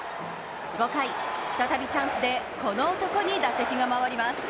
５回、再びチャンスでこの男に打席が回ります。